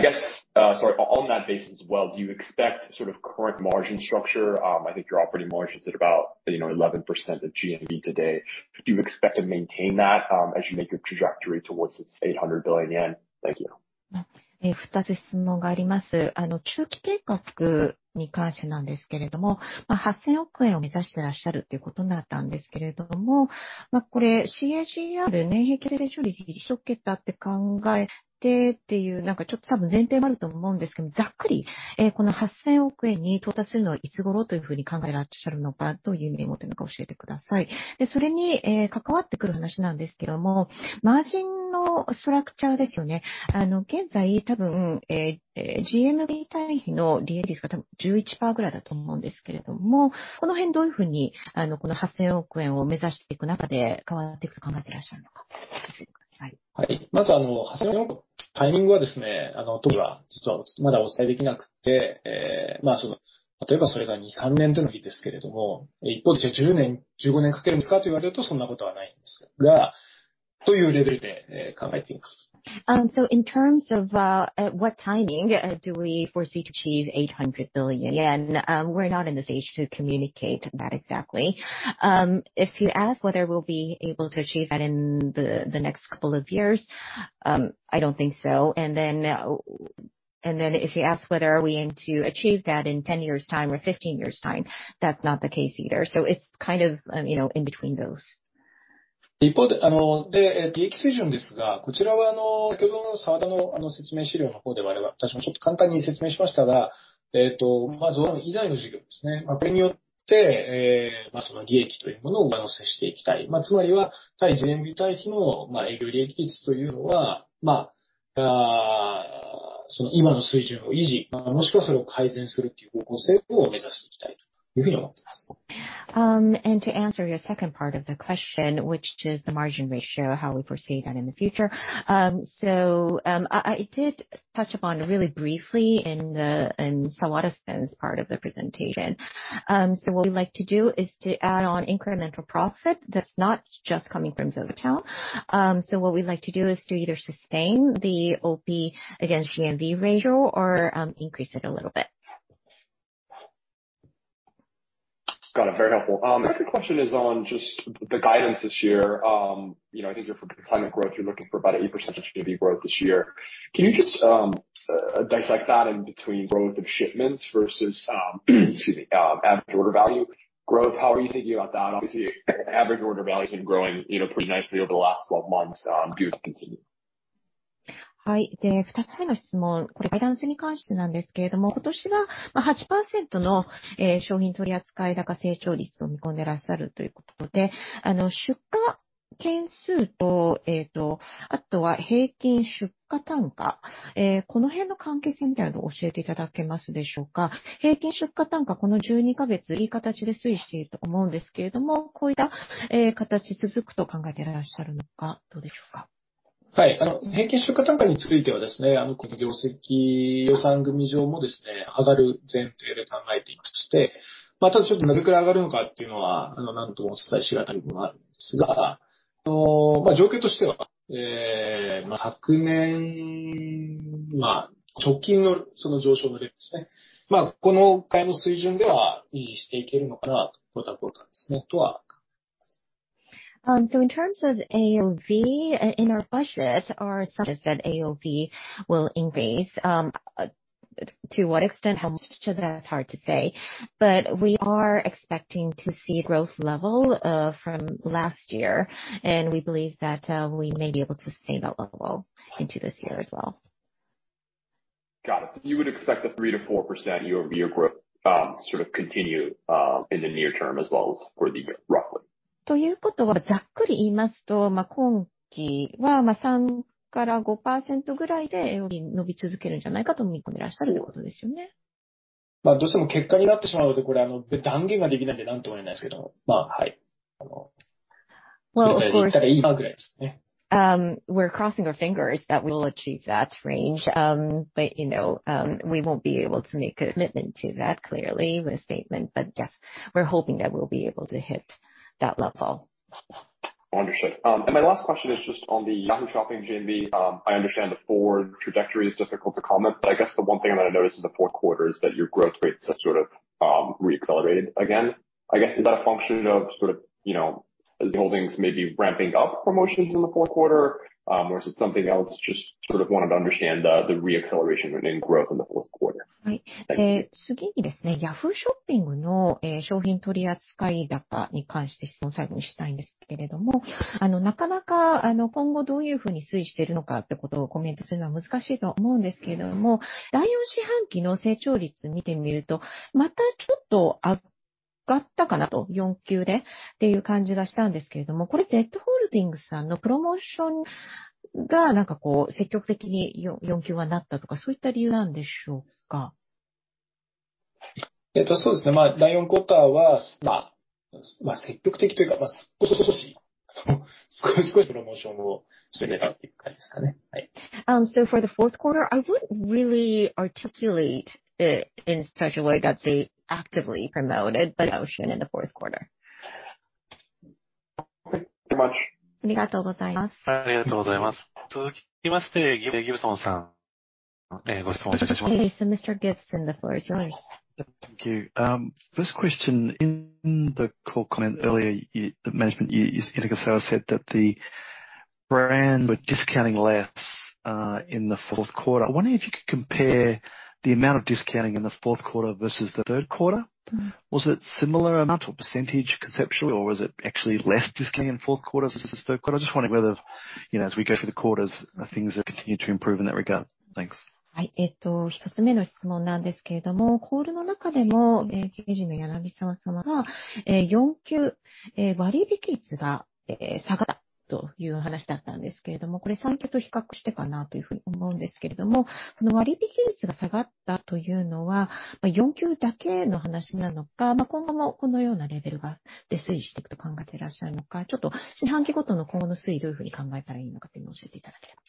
guess, sorry, on that basis, well, do you expect sort of current margin structure? I think your operating margins at about, you know, 11% of GMV today. Do you expect to maintain that as you make your trajectory towards this 800 billion yen? Thank you. 二つ質問があります。中期計画に関してなんですけれども、八千億円を目指していらっしゃるということだったんですけれども、これ CAGR 年平均成長率一桁って考えてっていう、なんかちょっと多分前提もあると思うんですけど、ざっくりこの八千億円に到達するのはいつ頃というふうに考えていらっしゃるのかという目元なんか教えてください。それに関わってくる話なんですけども、マージンのストラクチャーですよね。現在多分 GMV 対比の利益率が多分十一パーぐらいだと思うんですけれども、この辺どういうふうにこの八千億円を目指していく中で変わっていくと考えていらっしゃるのか教えてください。はい。まずあの八千億のタイミングはですね、あの時は実はまだお伝えできなくて、例えばそれが二、三年でもいいですけれども、一方で十年、十五年かけるんですかと言われるとそんなことはないんですが。というレベルで考えています。In terms of what timing do we foresee to achieve 800 billion yen? We're not in the stage to communicate that. Exactly. If you ask whether we'll be able to achieve that in the next couple of years, I don't think so. If you ask whether we aim to achieve that in 10 years time or 15 years time, that's not the case either. It's kind of, you know, in between those. 一方で、あの、で、利益水準ですが、こちらはあの先ほどの澤田の説明資料の方で我々私もちょっと簡単に説明しましたが、えーと、まず以外の事業ですね、これによってその利益というものを上乗せしていきたい。つまりは対全体比の営業利益率というのは、まあその今の水準を維持、もしくはそれを改善するという方向性を目指していきたいというふうに思っています。To answer your second part of the question, which is the margin ratio, how we foresee that in the future. I did touch upon really briefly in the, in Sawada-san's part of the presentation. What we'd like to do is to add on incremental profit. That's not just coming from ZOZOTOWN. What we'd like to do is to either sustain the OP against GMV ratio or, increase it a little bit. Got it. Very helpful. My second question is on just the guidance this year. You know, I think you're for climate growth. You're looking for about 8% of GMV growth this year. Can you just dissect that in between growth of shipments versus, excuse me, average order value growth? How are you thinking about that? Obviously average order value has been growing, you know, pretty nicely over the last 12 months. Do you think it will continue? はい。で、二つ目の質問。これガイダンスに関してなんですけれども、今年は八パーセントの商品取り扱い高成長率を見込んでいらっしゃるということで、出荷件数と、えーと、あとは平均出荷単価、この辺の関係性みたいなのを教えていただけますでしょうか。平均出荷単価、この十二ヶ月いい形で推移していると思うんですけれども、こういった形続くと考えていらっしゃるのかどうでしょうか。はい。あの平均出荷単価についてはですね、この業績予算組上もですね、上がる前提で考えていまして、ただちょっとどれくらい上がるのかっていうのはなんともお伝えし難いところなんですが、あの、条件としては、えー、昨年、まあ直近のその上昇の例ですね、まあこの回の水準では維持していけるのかなとは思います。In terms of AOV in our budget are such that AOV will increase. To what extent, how much of that is hard to say, but we are expecting to see growth level from last year and we believe that we may be able to stay that level into this year as well. Got it. You would expect the 3%-4% year-over-year growth, sort of continue, in the near term as well as for the year, roughly. ということは、ざっくり言いますと、今期は三から五パーセントぐらいで AOV 伸び続けるんじゃないかと見込んでいらっしゃるということですよね。まあどうしても結果になってしまうと、これ断言ができないのでなんとも言えないですけど、まあはい。それぐらいだったらいいなぐらいですね。We're crossing our fingers that we will achieve that range. You know, we won't be able to make a commitment to that clearly with a statement. Yes, we're hoping that we'll be able to hit that level. Understood. My last question is just on the Yahoo! Shopping GMV. I understand the forward trajectory is difficult to comment, but I guess the one thing that I noticed in the 4th quarter is that your growth rates have sort of reaccelerated again, I guess is that a function of sort of, you know, Z Holdings maybe ramping up promotions in the 4th quarter? Is it something else? Just sort of wanted to understand the reacceleration in growth in the 4th quarter. はい。次にですね、Yahoo ショッピングの商品取り扱い高に関して質問最後にしたいんですけれども、あの、なかなかあの、今後どういうふうに推移しているのかってことをコメントするのは難しいと思うんですけれども、第四四半期の成長率を見てみると、またちょっと上がったかなと、四九でっていう感じがしたんですけれども、これ Z ホールディングさんのプロモーションがなんかこう、積極的に四九はなったとか、そういった理由なんでしょうか。えっと、そうですね。まあ第四クオーターはまあ、まあ積極的というか、少し少しプロモーションを強めたっていう感じですかね。はい。For the fourth quarter, I wouldn't really articulate it in such a way that they actively promoted but ocean in the fourth quarter. Thank you very much. ありがとうございます。ありがとうございます。続きまして、Gibson さん、ご質問をお願いします。Okay, Mr. Gibson, the floor is yours. Thank you. First question in the call comment earlier, the management, you said that the brand were discounting less in the fourth quarter. I'm wondering if you could compare the amount of discounting in the fourth quarter versus the third quarter. Was it similar amount or percentage conceptually, or was it actually less discounting in fourth quarter versus the third quarter? I'm just wondering whether, you know, as we go through the quarters, things are continuing to improve in that regard. Thanks. はい。えっと、一つ目の質問なんですけれども、コールの中でも経営陣の柳澤様が四九、割引率が下がったという話だったんですけれども、これ三九と比較してかなというふうに思うんですけれども、この割引率が下がったというのは四九だけの話なのか、今後もこのようなレベルで推移していくと考えていらっしゃるのか、ちょっと四半期ごとの今後の推移、どういうふうに考えたらいいのかというのを教えていただければ。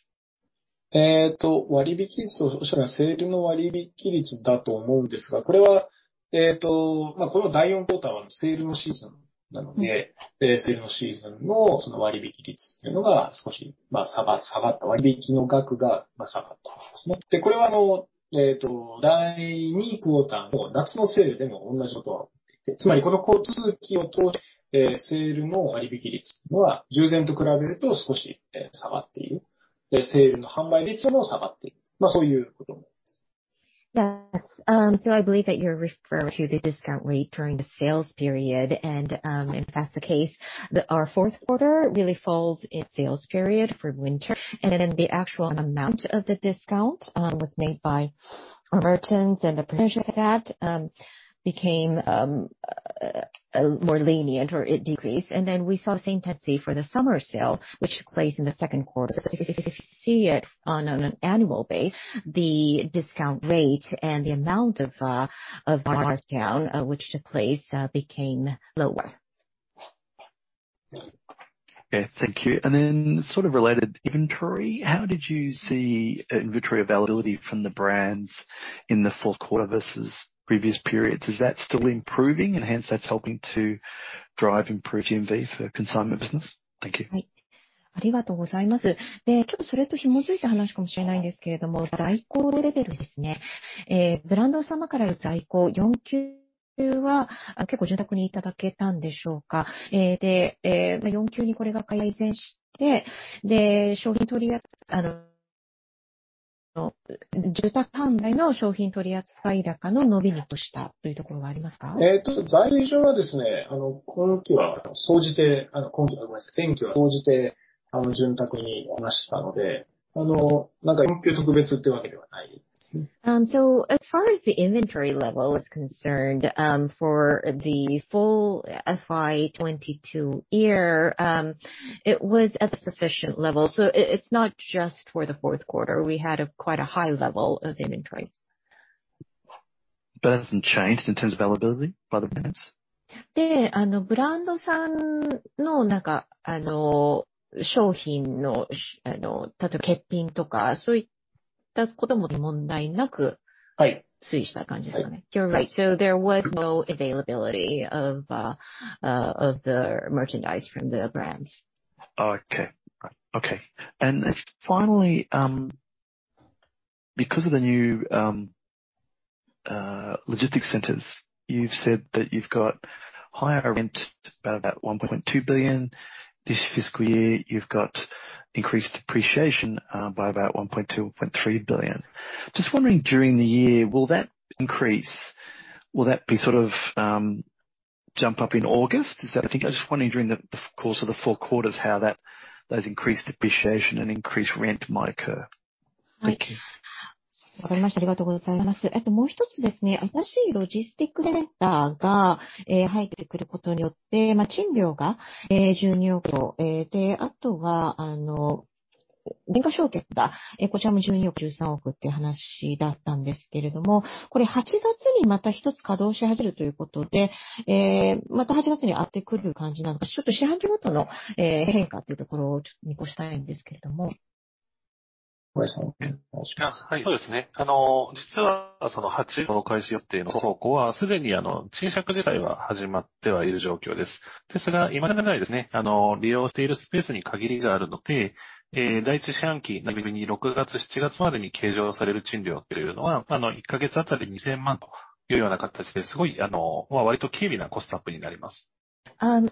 えーと、割引率を、そちらセールの割引率だと思うんですが、これはえーと、この第四クオーターはセールのシーズンなので、セールのシーズンの割引率っていうのが少し下がった、割引の額が下がったんですね。で、これはあの、えーと、第二クオーターの夏のセールでも同じことがつまりこの通期を通してセールの割引率というのは従前と比べると少し下がっている。セールの販売率も下がっている、そういうことなんです。I believe that you're referring to the discount rate during the sales period. If that's the case, our fourth quarter really falls in sales period for winter. The actual amount of the discount was made by our merchants. The % of that became more lenient or it decreased. We saw the same tendency for the summer sale, which takes place in the second quarter. If you see it on an annual base, the discount rate and the amount of markdown which took place became lower. Yeah. Thank you. Sort of related inventory. How did you see inventory availability from the brands in the fourth quarter versus previous periods? Is that still improving and hence that's helping to drive improved GMV for consignment business? Thank you. はい、ありがとうございます。で、ちょっとそれと紐付いた話かもしれないんですけれども、在庫レベルですね。えー、ブランド様からの在庫、四九は結構潤沢にいただけたんでしょうか。で、四九にこれが回帰して、で、商品取り扱い、あの、受託販売の商品取り扱い高の伸びにくさというところはあります か？ えっと、在庫はですね、あの、今期は総じて、今期ではなく前期は総じて潤沢にましたので、あの、なんか四九特別というわけではないですね。As far as the inventory level is concerned, for the full FY22 year, it was at a sufficient level. It's not just for the fourth quarter. We had a quite a high level of inventory. Hasn't changed in terms of availability by the brands? で、あの、ブランドさんのなんか、あの、商品の、し、あの、例えば欠品とか、そういったことも問題なく-はい。推移した感じですかね。You're right. There was no availability of the merchandise from the brands. Okay. Right. Okay. Finally, because of the new logistics centers, you've said that you've got higher rent by about 1.2 billion this fiscal year. You've got increased depreciation by about 2.3 billion. Just wondering during the year, will that increase? Will that be sort of jump up in August? Is that the thing? I'm just wondering during the course of the 4 quarters how those increased depreciation and increased rent might occur. Thank you. はい、わかりました。ありがとうございます。あともう一つですね。新しいロジスティックセンターが、えー、入ってくることによって、まあ賃料が、えー、十二億と、えー、で、あとは、あの、減価償却が、え、こちらも十二億、十三億って話だったんですけれども、これ八月にまた一つ稼働し始めるということで、えー、また八月に合ってくる感じなのか、ちょっと四半期ごとの、えー、変化っていうところをちょっと見越したいんですけれども。はい。そうですね。あの、実はその八月の開始予定の倉庫は、すでに、あの、賃借自体は始まってはいる状況です。ですが、未だにですね、あの、利用しているスペースに限りがあるので、えー、第一四半期に六月、七月までに計上される賃料っていうのは、あの、一ヶ月あたり二千万というような形で、すごい、あの、まあ割と軽微なコストアップになります。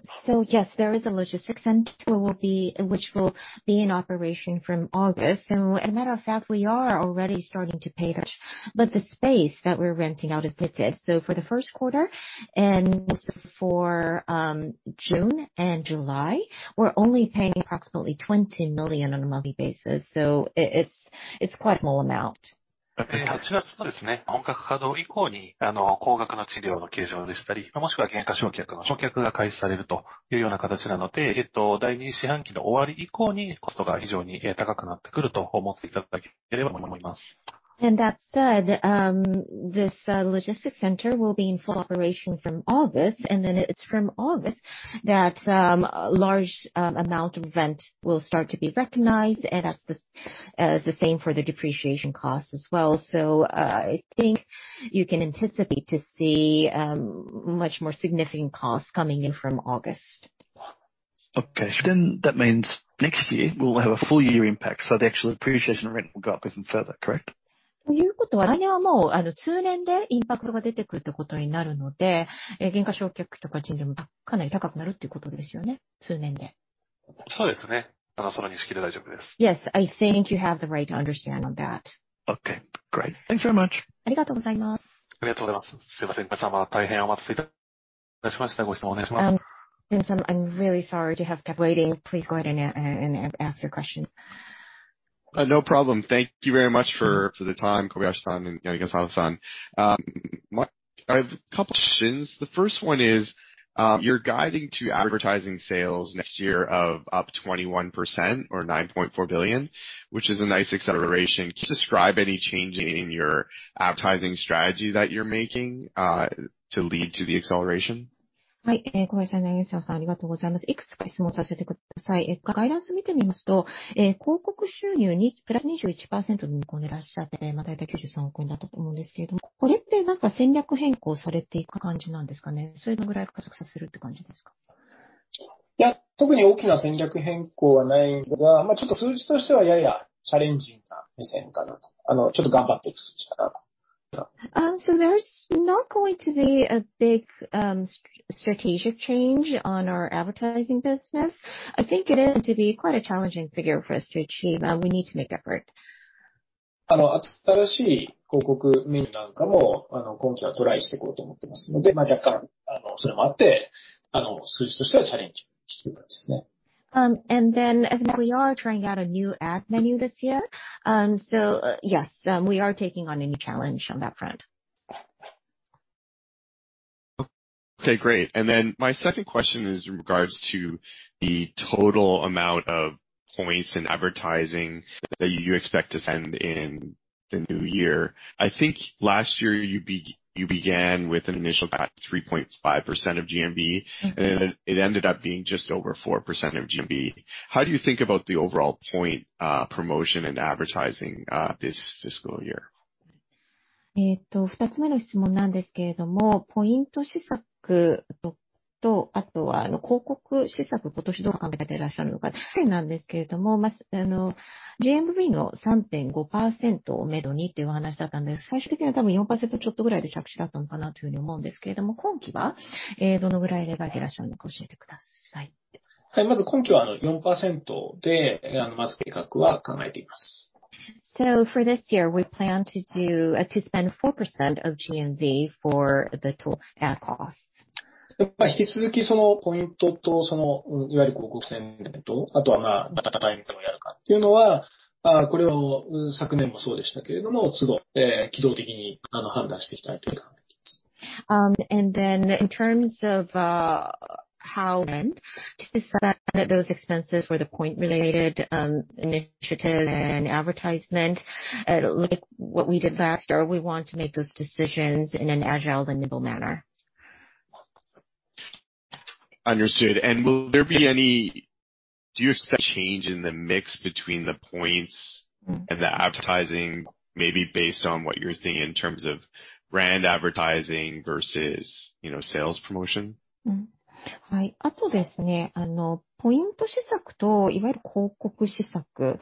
Yes, there is a logistics center will be which will be in operation from August. As a matter of fact, we are already starting to pay that. The space that we're renting out is limited. For the first quarter and for June and July, we're only paying approximately 20 million on a monthly basis. It's quite small amount. 八月とですね、本格稼働以降に、高額な賃料の計上でしたり、もしくは減価償却の償却が開始されるというような形なので、2Q の終わり以降にコストが非常に高くなってくると思っていただければと思います。That said, this logistics center will be in full operation from August, and then it's from August that large amount of rent will start to be recognized. That's the same for the depreciation costs as well. I think you can anticipate to see much more significant costs coming in from August. That means next year we'll have a full year impact. The actual depreciation rent will go up even further, correct? ということは、来年はもう、通年でインパクトが出てくるってことになるので、減価償却とか賃料もかなり高くなるっていうことですよ ね？ 通年で。そうですね。その認識で大丈夫です。Yes. I think you have the right to understand on that. Okay, great. Thanks very much. ありがとうございます。ありがとうございます。すいません、皆様、大変お待たせいたしました。ご質問お願いします。Tom, I'm really sorry to have kept waiting. Please go ahead and ask your question. No problem. Thank you very much for the time, Kobayashi-san and Yanagisawa-san. I have a couple questions. The first one is, you're guiding to advertising sales next year of up 21% or 9.4 billion, which is a nice acceleration. Can you describe any change in your advertising strategy that you're making, to lead to the acceleration? はい。えー、コバヤシさん、ヤナギサワさん、ありがとうございます。いくつか質問させてください。えっ、ガイダンス見てみますと、えー、広告収入にプラス二十一パーセントの見込みでいらっしゃって、まあ大体九十三億円だったと思うんですけれども、これってなんか戦略変更されていく感じなんですか ね？ それぐらい加速させるって感じです か？ いや、特に大きな戦略変更はないんですが、まあちょっと数字としてはややチャレンジングな目線かなと。あの、ちょっと頑張っていく数字かなと。There's not going to be a big strategic change on our advertising business. I think it is to be quite a challenging figure for us to achieve and we need to make effort. あの、新しい広告メニューなんかも、あの、今期はトライしていこうと思ってますので、まあ若干、あの、それもあって、あの、数字としてはチャレンジしていく感じですね。We are trying out a new ad menu this year. Yes, we are taking on a new challenge on that front. Okay, great. My second question is in regards to the total amount of points in advertising that you expect to send in the new year. I think last year you began with an initial about 3.5% of GMV, and it ended up being just over 4% of GMV. How do you think about the overall point promotion and advertising this fiscal year? えーと、二つ目の質問なんですけれども、ポイント施策と、あとは、あの、広告施策、今年どう考えてらっしゃるのか。去年なんですけれども、まあ、あの、GMV の三点五パーセントを目処にというお話だったんで、最終的には多分四パーセントちょっとぐらいで着地だったのかなというふうに思うんですけれども、今期は、えー、どのぐらいで考えてらっしゃるのか教えてください。はい。まず今期は、あの、四パーセントで、えー、まず計画は考えています。For this year, we plan to spend 4% of GMV for the total ad costs. やっぱ引き続き、その、ポイントと、その、いわゆる広告宣伝と、あとは、まあ、バタバタみたいなのをやるかっていうのは、あー、これを昨年もそうでしたけれども、都度、えー、機動的に、あの、判断していきたいという考えです。In terms of how to spend those expenses for the point related initiative and advertisement, like what we did last year, we want to make those decisions in an agile and nimble manner. Understood. Do you expect change in the mix between the points and the advertising, maybe based on what you're seeing in terms of brand advertising versus, you know, sales promotion? うん、はい。あとですね、あの、ポイント施策といわゆる広告施策、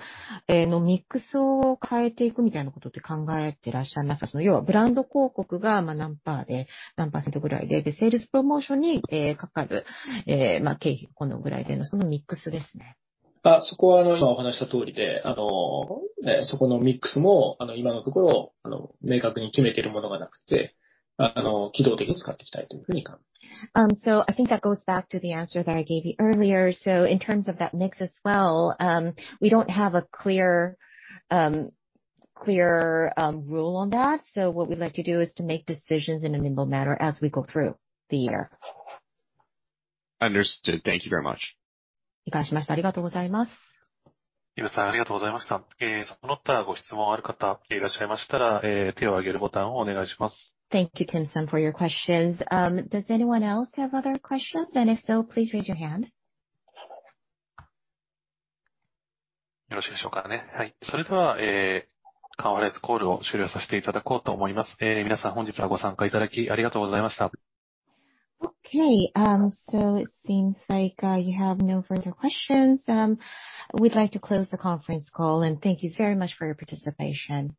えー、のミックスを変えていくみたいなことって考えてらっしゃいます か？ その要はブランド広告が、まあ何パーで、何パーセントぐらいで、で、セールスプロモーションに、えー、かかる、えー、まあ経費がこのぐらいでの、そのミックスですね。そこは、今お話しした通りで、そこのミックスも、今のところ、明確に決めてるものがなくて、機動的に使っていきたいというふうに考えてます。I think that goes back to the answer that I gave you earlier. In terms of that mix as well, we don't have a clear rule on that. What we'd like to do is to make decisions in a nimble manner as we go through the year. Understood. Thank you very much. 理解しました。ありがとうございます。イワさん、ありがとうございました。えー、その他ご質問ある方いらっしゃいましたら、えー、手を挙げるボタンをお願いします。Thank you, Tom-san, for your questions. Does anyone else have other questions? If so, please raise your hand. よろしいでしょうかね。はい。それでは、えー、カンファレンスコールを終了させていただこうと思います。えー、皆さん、本日はご参加いただきありがとうございました。Okay. It seems like you have no further questions. We'd like to close the conference call, and thank you very much for your participation.